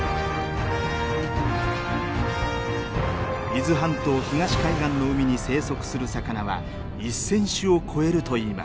伊豆半島東海岸の海に生息する魚は１，０００種を超えるといいます。